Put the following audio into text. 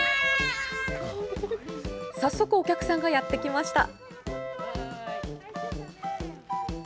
早速お客さんがやってきました。